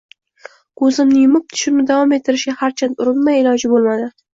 Ko‘zimni yumib, tushimni davom ettirishga harchand urinmay, iloji bo‘lmadi…»